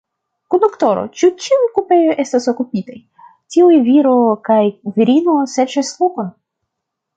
Konduktoro, ĉu ĉiuj kupeoj estas okupitaj? tiuj viro kaj virino serĉas lokon.